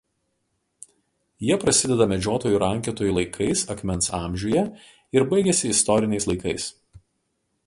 Jie prasideda medžiotojų rankiotojų laikais akmens amžiuje ir baigiasi istoriniais laikais.